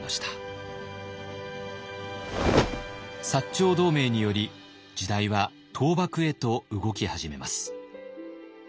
長同盟により時代は倒幕へと動き始めます。